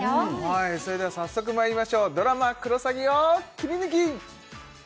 はいそれでは早速まいりましょうドラマ「クロサギ」をキリヌキッ！